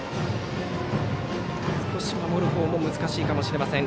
少し守るほうも難しいかもしれません。